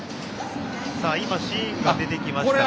今、シーンが出てきましたが。